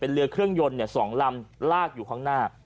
เรือเครื่องยนต์๒ลำลากอยู่ข้างหน้า